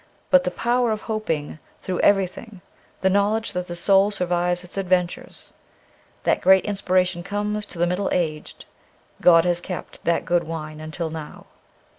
But the power of hoping through everything, the know ledge that the soul survives its adventures, that great inspiration comes to the middle aged. God has kept that good wine until now.